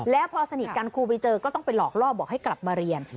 แล้วพอสนิทกันครูไปเจอก็ต้องไปหลอกล่อบอกให้กลับมาเรียน